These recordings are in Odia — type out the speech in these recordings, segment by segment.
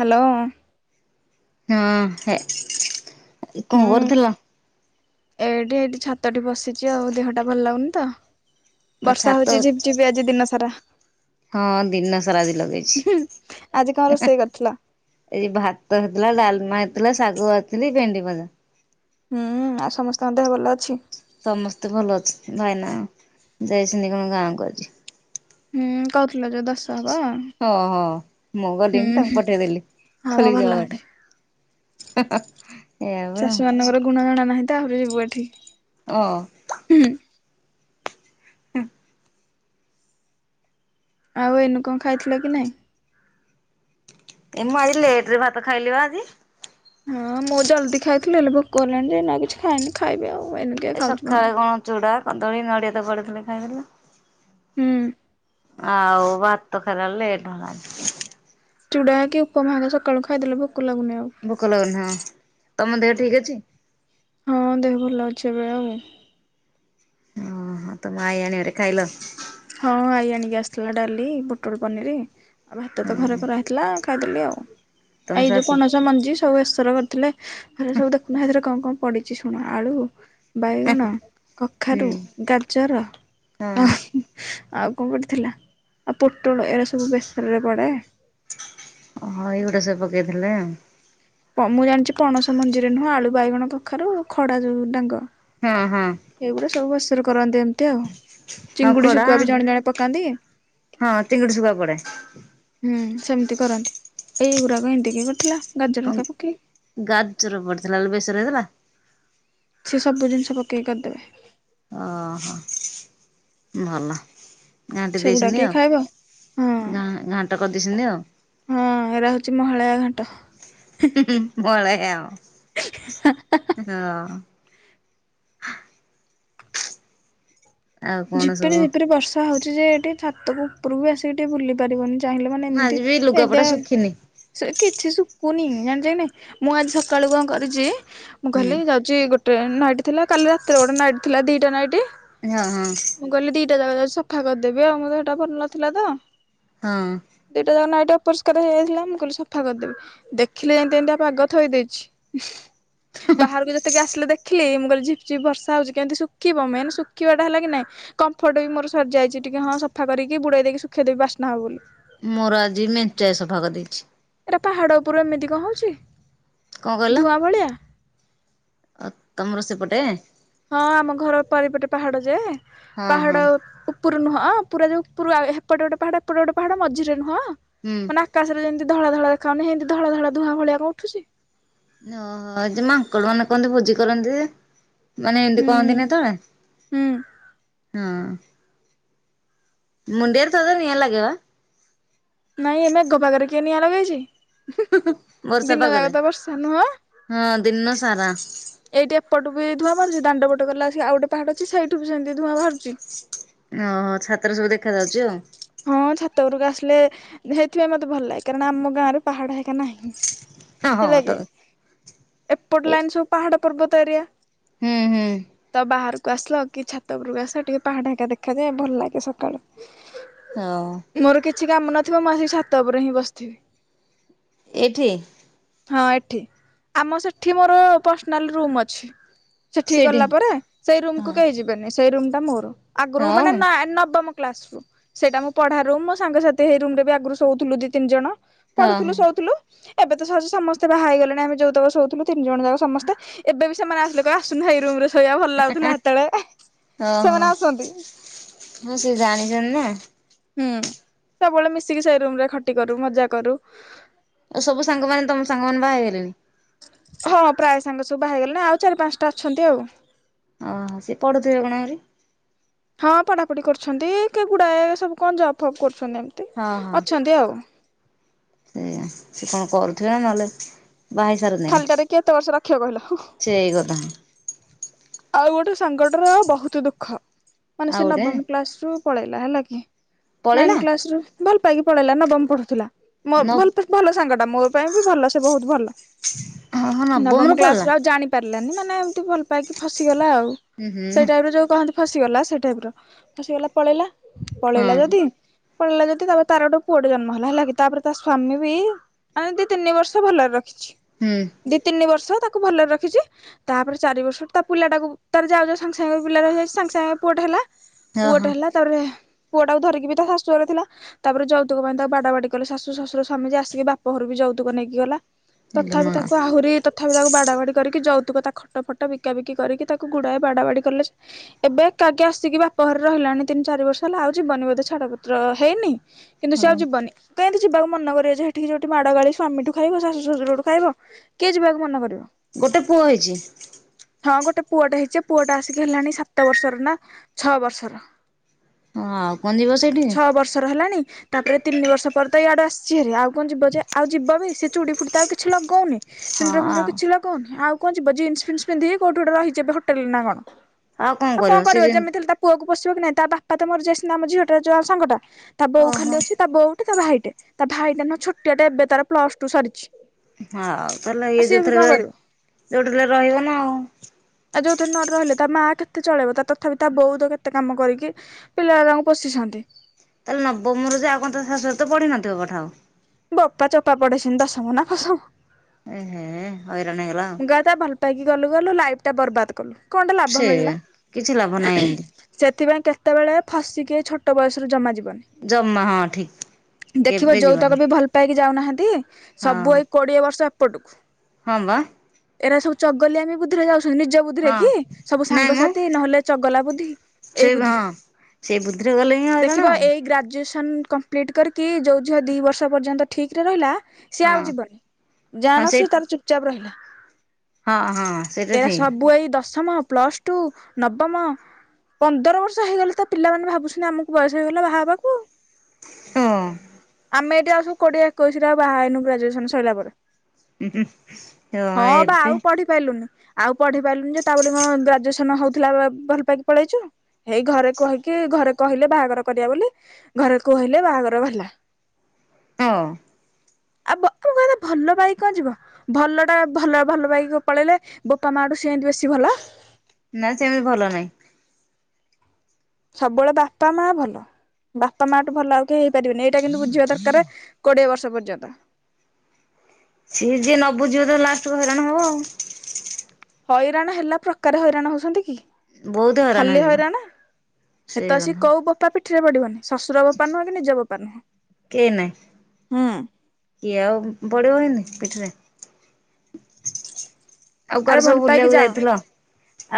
ହ୍ୟାଲୋ। ହଁ ହେ। କଣ ହୁଁ କରୁଥିଲ? ଏଇଠି ଏଇଠି ଛାତଟି ବସିଛି ଆଉ। ଦେହଟା ଭଲ ଲାଗୁନି ତ। ଆଉ ବର୍ଷା ଛାତ ହଉଛି ଝିପଝିପି ଆଜି ଦିନ ସାରା। ହଁ ଦିନ ସାରା ଆଜି ଆଜି କଣ ଲଗେଇଛି। ରୋଷେଇ କରିଥିଲ? ଏଇ ଭାତ ହେଇଥିଲା ଡାଲମା ହେଇଥିଲା ଶାଗ ଆଥିଲି ଭେଣ୍ଡି ଭଜା। ହୁଁ ଆଉ ସମସ୍ତଙ୍କ ଦେହ ଭଲ ଅଛି? ସମସ୍ତେ ଭଲ ଅଛନ୍ତି। ଭାଇନା ଯାଇଛନ୍ତି କଣ ଗାଁକୁ ଅଜି। ହୁଁ କହୁଥିଲ ଯେ ଦଶ ହେବ। ହଁ ହଁ ମୁଁ ଗଲିିନି। ତାଙ୍କୁ ପଠେଇଦେଲି ହଁ ମ ଖୋଲି ଭଲ ଜ ହାରି। ହେଟେ ଏଇଆ ପରା। ଶାଶୁ ମାନଙ୍କର ଗୁଣ ଜଣା ନାହିଁ ଆହୁରି ଯିବୁ ଏଠି। ହଁ। ହୁଁ। ହୁଁ। ଆଉ ଏଇନୁ କଣ ଖାଇଥିଲ କି ନାଇଁ। ଏ ମୁଁ ଆଜି ଲେଟେ ରେ ଭାତ ଖାଇଲି ପା ଆଜି। ହଁ ମୁଁ ଜଲ୍ଦି ଖାଇଥିଲି। ହେଲେ ଭୋକ ହେଲାଣି ଯେ ନା କିଛି ଖାଇନି ଖାଇବି ଆଉ। ଏନ୍ତି ଏ ସକାଳେ କଣ ଚୁଡା କଦଳୀ ନଡିଆ ତ ପଡିଥିଲେ ଖାଇଥିଲି। ହୁଁ। ଆଉ ଭାତ ଖେଇଲା ବେଳୁ ଲେଟ୍ ହେଲାଣି। ଚୁଡା କି ଉପମା ହେରା ସକାଳୁ ଖାଇଦେଲେ ଭୋକ ଲାଗୁନି ଆଉ। ଭୋକ ଲାଗୁନି ହଁ ତମ ଦେହ ଠିକ ଅଛି। ହଁ ଦେହ ଭଲ ଅଛି ଏବେ ଆଉ। ଓହୋ ତମ ଆଇ ଆଣିିବାରେ ଖାଇଲ। ହଁ ଆଇ ଆଣିକି ଆସିଥିଲା। ଡାଲି, ପୁଟୋଳ ପନିର ଆଉ ଭାତ ତ ଘରେ କରା ହେଇଥିଲା। ଖାଇଦେଲି ଆଉ। ଏଇ ଯୋଉ ପଣସ ମଞ୍ଜି ସବୁ ବେସର କରିଥିଲେ। ଘରେ ସବୁ ଦେଖୁନା ସେଥିରେ କଣ କଣ ପଡିଛି ଶୁଣ। ଆଳୁ ବାଇଗଣ, କଖାରୁ, ଗାଜର। ଆଉ କଣ ପଡିଥିଲା? ଆଉ ପୋଟଳ ଏରା ସବୁ ବେସରରେ ପଡେ। ଓହୋ ଏଇଗୁଡା ସବୁ ପକେଇଥିଲେ। ମୁଁ ଜାଣିଛି ପଣସ ମଞ୍ଜିରେ ନୁହଁ। ଆଳୁ, ବାଇଗଣ, କଖାରୁ, ଖଡା ଯୋଉ ଡାଙ୍ଗ। ହଁ ହଁ। ଏଇଗୁଡା ସବୁ ବେଷରେ କରନ୍ତି ଏମିତି ଆଉ। ହଁ ଚିଙ୍ଗୁଡି ଖଡା ଶୁଖୁଆ ବି ଜଣେ ଜଣେ ପକାନ୍ତି। ହଁ ଚିଙ୍ଗୁଡି ଶୁଖୁଆ ପଡେ। ହୁଁ ସେମିତି କରନ୍ତି। ଏଇଗୁରାକ ଏମିତି କିଏ କରିଥିଲା ଗାଜର ହେକା ପକେଇକି। ଗାଜର ପଡିଥିଲା ବେସର ହେଇଥିଲା। ସେ ସବୁ ଜିନିଷ ପକେଇକି କରିଦେବେ। ଓହୋ ଭଲ। ଘାଣ୍ଟି ସେଗୁଡା ଦେଇଛନ୍ତି କିଏ ଆଉ। ଖାଇବ ହଁ ଘାଣ୍ଟ କରିଦେଇଛନ୍ତି ଆଉ। ହଁ ଏରା ହୋଉଚି ମହାଳୟା ଘାଣ୍ଟ। ହୁଁ ହୁଁ ବଳାକେ ଆଅ। [inaudible] ହଁ। ଆଉ କଣ ଝିପିରି ସବୁ ଝିପିରି ବର୍ଷା ହୋଉଚି ଯେ ଏଠି ଛାତକୁ ଉପୁରୁକୁ ଆସିକି ଟିକେ ବୁଲି ପାରିବନି। ଚାହିଁଲେ ମାନେ ଏମିତି ଆଜି ବି ଏମତି ଲୁଗାପଟା ଆ ଶୁଖିନି ସେ କିଛି ଶୁକୁନି ଜାଣିଚ କି ନାହିଁ ମୁଁ ଆଜି ସକାଳୁ କଣ କରଚି ମୁଁ ହୁଁ କହିଲି ଯାଉ ଚି ଗୋଟେ ନାଇଟ୍ ଥିଲା, କାଲି ରାତିରେ ଗୋଟେ ନାଇଟ୍ ଥିଲା ଦିଟା ନାଇଟ୍। ଏ ହଁ ହଁ। ମୁଁ କହିଲି ଦିଟା ଯାକ ଯାଉଚି ସଫା କରିଦେବି ଆଉ ମୋ ଦେହଟା ଭଲ ନଥିଲା ତ। ହଁ। ଦିଟା ଯାକ ନାଇଟି ଅପରିଷ୍କାର ହେଇଯାଇଥିଲା ମୁଁ କହିଲି ସଫା କରିଦେବି। ଦେଖିଲେ ଯେମତି ଏମତିଆ ପାଗ ଥୋଇଦେଇଚି। ବାହାରକୁ ଯେତିକି ଆସିଲେ ଦେଖିଲି ମୁଁ କହିଲିି ଝିପ୍ ଝିପ୍ ବର୍ଷା ହୋଉଚି କେମିତି ଶୁଖିବ ମେନ ଶୁଖିବା ହେଲା କି ନାଇଁ କମ୍ଫର୍ଟ ବି ମୋର ସରିଯାଇଚି ଟିକେ ହଁ ସଫା କରିକି ବୁଡେଇ ଦେଇକି ଶୁଖେଇଦେବି ବାସ୍ନା ହବ ବୋଲି। ମୋର ଆଜି ମେଞ୍ଚାଏ ସଫା କରିଦେଇଚି। ଆଟା ପାହାଡ ଉପରୁ ଏମିତି କଣ ହୋଉଚି। କଣ କହିଲ ଅ ତମର ସେପଟେ? ହଁ ଆମ ଘର ବାରିପଟେ ପାହାଡ ଯେ ହଁ ହଁ ପାହାଡ ଉ ଉପୁରୁ ନୁହଁ ପୁରା ଯୋଉ ପୁରା ହେପଟେ ଗୋଟେ ପାହାଡ ଏପଟେ ଗୋଟେ ପାହାଡ ମଝିରେ ନୁହଁ ହୁଁ। ମାନେ ଆକାଶରେ ଯେମତି ଧଳା ଧଳା ଦେଖାହୋଉନି ହେମତି ଧଳା ଧଳା ଧୂଆଁ ଭଳିଆ କଣ ଉଠୁଚି। ଅହ ଏ ଯେ ମାଙ୍କଡମାନେ କୁହନ୍ତି ଭୋଜି କରନ୍ତି ଯେ। ମାନେ ଏମତି ହୁଁ କୁହନ୍ତିିନି ହେତଳେ ହୁଁ ହଁ। ମୁଣ୍ଡିଆରେ ଥରେ ଥରେ ନିଆଁ ଲାଗେ ବା। ନାଇଁ ଏ ମେଘ ପାଗରେ କିଏ ନିଆଁ ଲଗେଇଚି। ହୁଁ ହୁଁ ବର୍ଷା ପାଗରେ ନୁହଁ ହଁ ଦିନ ସାରା। ଏଇଠି ଏପଟୁ ବି ଧୂଆଁ ବାହାରୁଚି ଦାଣ୍ଡପଟ ଗଲା ଆସିକି ଆଉ ଗୋଟେ ପାହାଡ ଅଛି ସେଇଠୁ ବି ସେମତି ଧୂଆଁ ବାହାରୁଚି। ଓହୋ ଛାତରେ ସବୁ ଦେଖାଯାଉଚି ଆଉ। ହଁ ଛାତ ଉପରକୁ ଆସିଲେ ହେଇଥି ପାଇଁ ମତେ ଭଲଲାଗେ କାରଣ ଆମ ଗାଁରେ ପାହାଡ ହେଇକା ନାହିଁ। ହଁ ହେଲା ହଁ ତ କି ଏପଟ ଏ ଲାଇନ ସବୁ ପାହାଡ ପର୍ବତ ଏରିଆ ହୁଁ ହୁଁ ତ ବାହାର ତ ଆସିଲ କି ଛାତ ଉପୁରୁକୁ ଆସ ଟିକେ ପାହାଡ ହେକା ଦେଖାଯାଏ ଭଲଲାଗେ ସକାଳୁ। ଏଅ ମୋର କିଛି କାମ ନଥିବ ମୁଁ ଆସିକି ଛାତ ଉପରେ ହିଁ ବସଥିବି। ଏଇଠି? ହଁ ଏଠି ଆମ ସେଠି ମୋର ପର୍ସନାଲ୍ ରୁମ୍ ଅଛି। ସେଠିକି ସେଇଠି ଗଲାପରେ ସେଇ ରୁମକୁ ହଁ କେହି ଯିବେନି ସେଇ ରୁମଟା ମୋର। ହଁ ଆଗୁରୁ ହଁ ମାନେ ନା ନବମ କ୍ଲାସରୁ। ସେଇଟା ମୁଁ ପଢା ରୁମ୍ ମୋ ସାଙ୍ଗସାଥି ହେଇ ରୁମରେ ବି ଆଗରୁ ଶୋଉଥୁଲୁ ଦିତିନି ଜଣ ହଁ। ପଢୁଥୁଲୁ ଶୋଉଥୁଲୁ। ଏବେ ତ ସହଜେ ସମସ୍ତେ ବାହା ହେଇଗଲେଣି ଆମେ ଯୋଉତକ ଶୋଉଥୁଲୁ ତିନଜଣ ଯାକ ସମସ୍ତେ ଏବେ ବି ସେମାନେ ଆସିଲେ କହିଏ ଆସୁନୁ ହେଇ ରୁମରେ ଶୋଇବା ଭଲଲାଗୁଥିଲା ହେତୋଳେ ଓହୋ ସେମାନେ ଆସନ୍ତି। ହଁ ସେ ଜାଣିଚନ୍ତି ନା। ହୁଁ ସବୁବେଳେ ମିଶିକି ସେଇ ରୁମରେ ଖଟି କରୁ, ମଜା କରୁ। ଆଉ ସବୁ ସାଙ୍ଗମାନେ ତମ ସାଙ୍ଗମାନେ ବାହା ହେଇଗଲେଣି। ହଁ ପ୍ରାୟେ ସାଙ୍ଗ ସବୁ ବାହାହେଇଗଲେଣି ଆଉ ଚାରି ପାଞ୍ଚଟା ଅଛନ୍ତି ଆଉ। ଅହଁ ସିଏ ପଢୁଥିବେ କଣ ଆହୁରି ହଁ ପଢାପଢି କରୁଛନ୍ତି କେଗୁଡାଏ ସବୁ କଣ ଜବ୍ ଫବ୍ କରୁଛନ୍ତି ଏମ୍ ହଁ ହଁ ସେଇଆ ସେ କଣ କରୁଥିବେନା ନହେଲେ ବାହାହେଇସାରନ୍ତେ ଖାଲିଟାରେ କିଏ ଏତେ ବର୍ଷ ରଖିବ କହିଲ ହଁ। ସେଇ କଥା। ଆଉ ଗୋଟେ ସାଙ୍ଗଟାର ବହୁତ ଦୁଃଖ ମାନେ ସେ ଆଉ ଗୋଟେ ନବମ କ୍ଲାସ ରୁ ପଳେଇଲା ହେଲା କି? ନାଇନ୍ ପଳେଇଲା କ୍ଲାସରୁ ଭଲ ପାଇକି ପଳେଇଲା ନବମ ପଢୁଥିଲା ନ ଭଲ ପଢ଼ୁ ଭଲ ସାଙ୍ଗ ଟା ମୋ ପାଇଁ ବି ଭଲ ସେ ବହୁତ ଭଲ ହଁ ହଁ ନବମରେ ନବମ ପଳେଇଲା କ୍ଲାସରୁ ଆଉ ଜାଣି ପାରିଲାନି ମାନେ ଏମିତି ଭଲ ପାଇକି ଫସିଗଲା ଆଉ ହୁଁ ହୁଁ ସେଇ ଟାଇପରେ ଯୋଉ କହନ୍ତି ଫସିଗଲା ସେ ଟାଇପ ର ଫସିଗଲା ପଳେଇଲା ହଁ ପଳେଇଲା ଯଦି ପଳେଇଲା ଯଦି ତାପରେ ତାର ଗୋଟେ ପୁଅଟେ ଜନ୍ମ ହେଲା ହେଲା କି ତାପରେ ତା ସ୍ଵାମୀ ବି ମାନେ ଦି ତିନି ବର୍ଷ ଭଲ ରଖ ହୁଁ। ଦି ତିନି ବର୍ଷ ତାକୁ ଭଲରେ ରଖିଛି ତାପରେ ଚାରି ବର୍ଷ ତା ପିଲାଟାକୁ ତା ଯାଉ ଯାଉ ସାଙ୍ଗେ ସାଙ୍ଗେ ପିଲାର ସାଙ୍ଗେ ସାଙ୍ଗେ ପୁଅଟେ ହେଲା, ଓହୋ ପୁଅଟେ ହେଲା ତାପରେ ପୁଅଟାକୁ ଧରିକି ବି ତା ଶାଶୁ ଘରେ ଥିଲା। ତାପରେ ଯୌତୁକ ପାଇଁ ତାକୁ ବାଡା ବାଡି କଲେ ଶାଶୁ ଶଶୁର ସ୍ୱାମୀ ଯେ ଆସି ବାପ ଘରୁ ବି ଯୌତୁକ ନେଇକି ଗଲା। ଇଲୋ ତଥାପି ମା ତାକୁ ଆହୁରି ତଥାପି ତାକୁ ବାଡା ବାଡି କରିକି ଯୌତୁକ ତା ଖଟ ଫଟ ବିକି ବିକାବିକି କରିକି ତାକୁ ଗୁଡ଼ାଏ ବାଡା ବାଡ଼ି କଲେ। ଏବେ, ଏକାକେ ଆସିକି ବାପ ଘରେ ରହିଲାଣି ତିନି ଚାରି ବର୍ଷ ହେଲା ଆଉ ଜୀବନି ବୋଧ ଛାଡପତ୍ର ହେଇନି? କିନ୍ତୁ ସେ ଆଉ ହଉ ଯିବନି। କେମିତି ଯିବାକୁ ମନ କରବ ଯେ ସେଠିକି ଯୋଉଠି ମାଡ଼ ଗାଳି ସ୍ୱାମୀଠୁ ଖାଇବ, ଶାଶୁ, ଶଶୁରଠୁ ଖାଇବ। କିଏ ଯିବାକୁ ମନ କରିବ? ଗୋଟେ ପୁଅ ହେଇଛି? ହଁ, ଗୋଟେ ପୁଅଟେ ହେଇଛି, ପୁଅଟା ଆସିକି ହେଲାଣି ସାତ ବର୍ଷର ନା ଛଅ ବର୍ଷର। ହଁ ଆଉ କଣ ଯିବ ସେଇଠି ହଁ ଛଅ ବର୍ଷର ହେଲାଣି। ତାପରେ ତିନି ବର୍ଷ ପରେ ତ ଇଆଡେ ଆସିଛିଭାରି ଆଉ କଣ ଯିବ ଯେ ଆଉ ଯିବ ବି ସେ ଚୁଡି ଫୁଡି ତ ଆଉ କିଛି ଲଗଉନି। ସିନ୍ଦୂର ଫିନ୍ଦୁର ଆଉ କିଛି ଲଗୋଉନି ଆଉ କଣ ଯିବ? ଜିନ୍ ଫିନ୍ ପିନ୍ଧିକି କୋଉଠି ଗୋଟେ ରହିଛି ହୋଟେଲରେ ନା କଣ। ଆଉ କଣ କରିବ ଯେମିତି ତା ପୁଅକୁ ପୋଶିବ କି ନାଇଁ ତା ବାପା ତ ମରି ଯାଇଛନ୍ତି ଆମ ଝିଅଟା ଯୋଉ ସାଙ୍ଗଟା ତା ବୋଉ ଓହୋ ଖାଲି ଅଛି। ତା ବୋ ତା ଭାଇଟେ ତା ଭାଇଟା ନା ଛୋଟିଆ ଟେ ଏବେ ତାର ପ୍ଲସ ଟୁ ସରିଛି। ହଁଉ ତାହେଲେ ଆଉ ଇଏ ସିଏ ବି କଣ ଯୋଉଥିର କରିବ? ଯୋଉଠି ହେଲେ ରହିବ ନା ଆଉ। ଆଉ ଯୋଉଥିରେ ନ ରହିଲେ ତା ମା କେତେ ଚଳେଇବ ତା ତଥାପି ତା ବୋଉତ କେତେ କାମ କରିକି ପିଲାଉରାଙ୍କୁ ପୋଶିଛନ୍ତି। ତାହେଲେ ନବମ ରୁ ଯେ ଆଉ କଣ ଶାଶୁ ଘରେ ତ ପଢ଼ି ନଥିବ ପାଠ? ବୋପା ଚୋପା ପଡେଇଛନ୍ତି ଦଶମ ନା ଫସମ ଏ ହେ ହଇରାଣ ହେଇଗଲା। ଆଉ ତା ଭଲ ପାଇକି ଗଲୁ ଗଲୁ ଲାଇଫ ଟା ବର୍ବାଦ କଲୁ କଣଟା ଲାଭ ସେଇଆ ମିଳିଲା। କିଛି ଲାଭ ନାହିଁ ଏମିତି ସେଥିପାଇଁ କେତେବେଳେ ଫସିକି ଛୋଟ ବୟସରୁ ଜମା ଜମା ହଁ ଠିକ ଯିବନି। ଦେଖିବ କେବେ ଯିବନି ଯୋଉତକ ବି ଭଲ ପାଇକି ଯାଉନାହାନ୍ତି ସବୁ ହଁ ଏଇ କୋଡିଏ ବର୍ଷ ଏପଟକୁ। ହଁ ବା। ଏଇରା ସବୁ ଚଗଲିଆମି ବୁଦ୍ଧି ରେ ଯାଉଛନ୍ତି। ନିଜ ବୁ ବୁଦ୍ଧିରେ ହଁ କି ସବୁ ନାଇଁ ମ ସାଙ୍ଗସାଥି ନହେଲେ ଚଗଲା ବୁଦ୍ଧି ସେ ଏଇ ବୁଦ୍ଧି ରେ। ହଁ ସେଇ ବୁଦ୍ଧିରେ ଗଲେ ହିଁ ହଇରାଣ ଦେଖିବ ଆଉ ଏଇ ଗ୍ରାଜୁଏସନ କ କରିକି ଜୋଉ ଝିଅ ଦି ବର୍ଷ ପର୍ଯ୍ୟନ୍ତ ଠିକରେ ରହିଲା ସିଏ ହଁ ଆଉ ଯିବନି ହଁ ଜାଣ ସେଇ ସି ତାର ଚୁପଚାପ ରହିଲା। ହଁ ହଁ। ସେଇଟା ଏରା ଠିକ ସବୁ ଏଇ ଦଶମ ପ୍ଲସ ଟୁ ନବମ। ପନ୍ଦର ବର୍ଷ ହେଇଗଲେ ତା ପିଲାମାନେ ଭାବୁଛନ୍ତି ଆମକୁ ବୟସ ହେଇଗଲା ବାହା ହବାକୁ ଆଉ। ହଁ। ଆମେ ଏଠି ଆ ସବୁ କୋଡିଏ ଏକୋଇଶରେ ଆ ବାହା ହେଇନୁ ଗ୍ରଜୁଏସନ ସରିଲ ପରେ। [unintelligible] ହଁ ବା ଏବେ ଆଉ ପଢି ପାଇଲୁନୁ ଆଉ ପଢି ପାରିଲୁନି ଯେ ତା କଣ ଗ୍ରାଜୁଏସନ ହଉଥିଲା ଭଲ ପାଇକି ପଳେଇଚୁ। ହେଇ ଘରେ କହିକି ଘରେ କହିଲେ ବାହାଘର କରିବା ବୋଲି ଘରେ କହିଲେ ବାହାଘର ହେଲା। ହଁ। ଆଉ ବ ବାପା ଭଲ ପାଇକି କଣ ଯିବ ଭଲ ତା ଭଲ ଭଲ ପାଇକି ପଳେଇଲେ ବାପା ମାଠୁ ସେ ଏମିତି ବେଶୀ ଭଲ। ନା ସେମିତି ଭଲ ନାହିଁ। ସବୁବେଳେ ବାପା ମା ଭଲ। ବାପା ମାଠୁ ଭଲ ଆଉ କେହି ହେଇପାରିବେନି ଏଇଟା କିନ୍ତୁ ବୁଝିବା ଦରକାର କୋଡିଏ ବର୍ଷ ପର୍ଯ୍ୟନ୍ତ। ସିଏ ଯିଏ ନ ବୁଝିବ ତ ଲାଷ୍ଟ କୁ ହଇରାଣ ହବ ଆଉ। ହଇରାଣ ହେଲା ପ୍ରକାରେ ହଇରାଣ ହଉଛନ୍ତି କି। ବହୁତ ଖାଲି ହେଇଯିବ ହଇରାଣ ସେଇ ଏତ ଆସିିକ କଥା କୋଉ ବୋପା ପିଠ ପିଠିରେ ପଡିବନି ଶଶୁର ବୋପା ନୁହଁ କି ନିଜ ବୋପା କେହି ନାହିଁ ନୁହଁ। କିଏ ଆଉ ପଡିବ ଏଇନେ ପିଠିରେ। ଆଉ ଆରେ କୁଆଡେ ଭଲ ସବୁ ପାଇକି ବୁଲିବାକୁ ଯାଅ ଯାଇଥିଲ,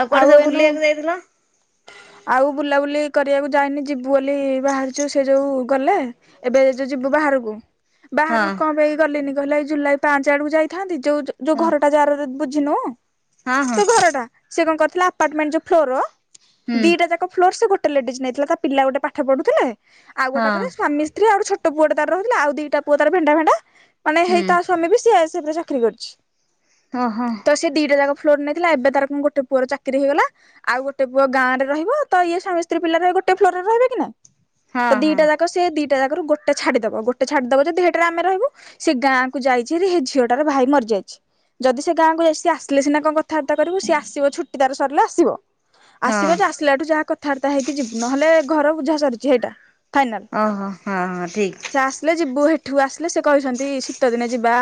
ଆଉ କୁଆଡେ ସବୁ ବୁଲିବାକୁ ଯାଇଥିଲ? ଆଉ ବୁଲାବୁଲି କରିବାକୁ ଯାଇନି ଯିବୁ ବୋଲି ବାହାରିଛୁ ସେ ଯୋଉ ଗଲେ ଏବେ ଯୋଉ ଯିବୁ ବାହାରକୁ। ହଁ ବାହାରକୁ କଣ ପାଇଁ ଗଲିନି କହିଲେ ଏଇ ଜୁଲାଇ ପାଞ୍ଚ ଆଡକୁ ଯାଇଥାନ୍ତି। ଯୋଉ ଯୋଉ ହଁ ଘରଟା ଯାହାର ବୁଝିନୁ ହଁ ହଁ ତୋ ଘର ଟା ସେ କଣ କରିଥିଲା ଆପାର୍ଟମେଣ୍ଟ ଯୋଉ ଫ୍ଲୋରର ହୁଁ ଦିଟା ଯାକ ଫ୍ଲୋର ସେ ଗୋଟେ ଲେଡିଜ ନେଇଥିଲା ତା ପିଲା ଗୋଟେ ପାଠ ପଢୁଥିଲେ, ଆଉ ହଁ ଗୋଟାକରେ ସ୍ୱାମୀ ସ୍ତ୍ରୀ ଆଉ ଛୋ ଟ ପୁଅ ଟେ ତାର ରହଉଥିଲା ଆଉ ଦିଟା ପୁଅ ତାର ଭେଣ୍ଡା ଭେଣ୍ଡା ମାନେ ହୁଁ ହେଇ ତା ସ୍ୱାମୀ ବି ସି ଆର ସିବ ରେ ଚାକିରି କରିଚି। ଓଁ ହଁ। ତ ସେ ଦିଟା ଯାକ ଫ୍ଲୋର ନେଇଥିଲା ଏବେ ତାର କ ଗୋଟ ପୁଅର ଚାକିରି ହେଇଗଲା ଆଉ ଗୋଟ ପୁଅ ଗାଁରେ ରହିବ ତ ଇଏ ସ୍ୱାମୀ ସ୍ତ୍ରୀ ପିଲା ରହିବ ଗୋଟେ ଫ୍ଲୋର ରେ ରହିବେ କି ନୁ। ହଁ ତ ହଁ ଦିଟା ଯାକ ସେ ଦିଟା ଜାଗାରୁ ଗୋଟେ ଛାଡିଦବ ଗୋଟେ ଛାଡିଦବ ଯଦି ସେଇଟରେ ଆମେ ରହିବୁ। ସେ ଗାଁ କୁ ଯାଇଚି ହାରି, ସେ ଝିଅଟାର ଭାଇ ମରିଯାଇଚି ଯଦି ସେ ଗାଁକୁ ଯାଇସିି ଆସିଲେ ସିନା କଣ କଥାବାର୍ତ୍ତା କରିବୁ, ସିଏ ଆସିବ ଛୁଟି ତାର ସରିଲେ ଆସିବ। ହଁ ଆସିବ ଯେ ଆସିଲା ଏଠୁ ଯାହା କଥାବାର୍ତା ହେଇକି ଯିବୁ ନହେଲେ ଘର ବୁଝା ସରିଚି ହେଇଟା ଫାଇନାଲ, ଓହୋ ହଁ ହଁ ଠିକ୍ ସେ ଆସିଲେ ଯିବୁ ହେ ଏଠୁ ଆସିଲେ ସେ କହିଛନ୍ତି ଶୀତ ଦିନେ ଯିବା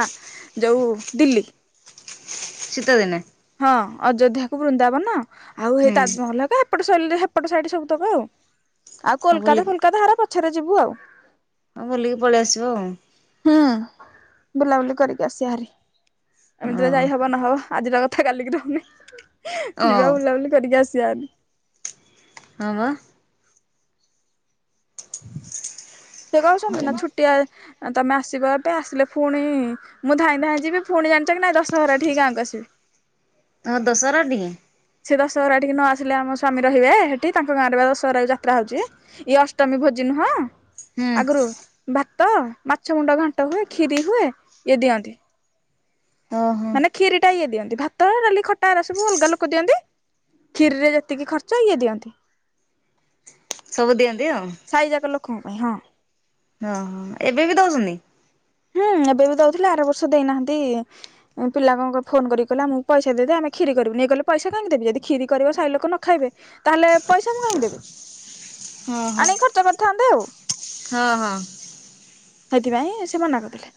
ଯୋଉ ଦିଲ୍ଲୀ। ଶୀତ ଦିନେ? ହଁ ଅଯୋଧ୍ୟା କୁ ବୃନ୍ଦାବନ ଆଉ ହେଇ ହୁଁ ତାଜମହଲ କା ହେପଟ ସଇଲେ ହେପଟ ସାଇଟ୍ ସବୁ ତକ ଆଉ ଆଉ ହଁ କୋଲକାତା ବୁଲିକି ଫୋଲକାତା ହାରା ପଛରେ ଯିବୁ ଆଉ। ହଁ ବୁଲିକି ପଳେଇ ଆସିବ ଆଉ। ହୁଁ ବୁଲାବୁଲି କରିକି ଆସିଆ ହାରି। ଏମିତିରେ ଆଉ ଯାଇ ହବ ନହବ ଆଜିର କଥା କାଲିକି ରହୁନି ଓ ଓ ଯିବା ବୁଲାବୁଲି କରିକି ଆସ ସାରି ହଁ ବା। ସେ କହୁଛନ୍ତି ନା ଛୁଟିଆ ତମେ ଆସିବ ଏବେ ଆସିଲେ ଫୁଣି ମୁଁ ଧାଇଁ ଧାଇଁ ଯିବି ପୁଣି ଜାଣିଚ କି ନାଇଁ ଦଶହରା ଠିକି ଗାଁ କୁ ଆସିବି। ହଁ ଦଶହରା ଡିଏ ସେ ଦଶହରା ଏଠିକି ନ ଆସିଲେ ଆମ ସ୍ୱାମୀ ରେ ହୁଏ ହେଠି ତାଙ୍କ ଗାଁରେ ପା ଦଶହରାରେ ଯାତ୍ରା ହଉଛି। ଇଏ ଅଷ୍ଟମୀ ଭୋଜି ନୁହଁ ହୁଁ ଆଗରୁ ଭାତ ମାଛ ମୁଣ୍ଡ ଘାଣ୍ଟ ହୁଏ କ୍ଷୀରି ହୁଏ ଇଏ ଦିଅନ୍ତି। ଓ ହୋ। କ୍ଷୀରିଟା ଇଏ ଦିଅନ୍ତି ଭାତ ଡାଲି ଖଟା ଏରା ସବୁ ଅଲଗା ଲୋ କ ଦିଅନ୍ତି। କ୍ଷୀରି ରେ ଯେତିକି ଖର୍ଚ୍ଚ ଇଏ ଦିଅନ୍ତି। ସବୁ ଦିଅନ୍ତି ଆଉ। ସାଇଯାକ ଲୋକଙ୍କ ପାଇଁ ହଁ। ଓ ହୋ। ଏବେ ବି ଦଉଚନି? ହୁଁ ଏବେ ବି ଦଉଥିଲେ ଆର ବର୍ଷ ଦେଇନାହାନ୍ତି ପିଲାଙ୍କ କଣ ଫୋନ୍ କରି କଲେ ଆମକୁ ପଇସା ଦେଇ ଦିଅ ଆମେ କ୍ଷୀରି କରିବୁ, ଇଏ କହିଲେ ପଇସା କାହିଁ ମୁଁ ଦେବି ଜଦି କ୍ଷୀରି କରିବ ଶହେ ଲୋକ ନଖାଇବେ ତାହେଲେ ପଇସା ମୁଁ କାହିଁକି ଦେବି, ଓହୋ ଆ ନେଇକି ଖର୍ଚ୍ଚ କରିଥାନ୍ତ ଆଉ। ହଁ ହଁ। ସେଇଥିପାଇଁ ସେ ମନା କରିଦେଲେ।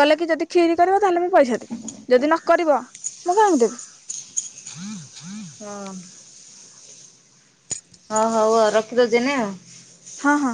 କହିଲେ କି ଯଦି କ୍ଷୀରି କରିବ ତାହେଲେ ମୁଁ ପଇସା ଦେବି ଯଦି ନ କରିବ ମୁଁ କାହିଁକି ଦେବି। ହଁ। ଅ ହ ଆଉ ରଖିଦଉଚି ନା। ହଁ ହଁ।